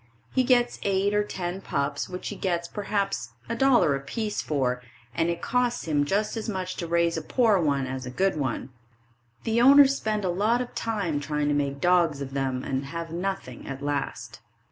He gets eight or ten pups, which he gets perhaps $1.00 a piece for, and it costs just as much to raise a poor one as a good one. The owners spend a lot of time trying to make dogs of them and have nothing at last.